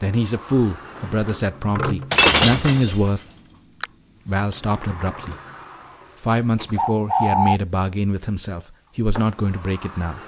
"Then he's a fool!" her brother said promptly. "Nothing is worth " Val stopped abruptly. Five months before he had made a bargain with himself; he was not going to break it now.